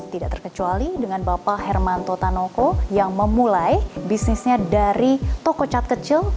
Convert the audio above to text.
tidak terkecuali dengan bapak hermanto tanoko yang memulai bisnisnya dari toko cat kecil